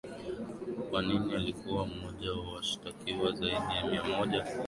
Kwa nini alikuwa mmoja wa washitakiwa zaidi ya Mia moja